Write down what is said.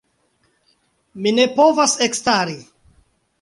Mi ne povas ekstari.